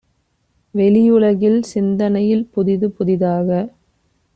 வௌியுலகில், சிந்தனையில் புதிது புதிதாக